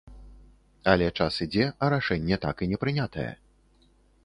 Але час ідзе, а рашэнне так і не прынятае.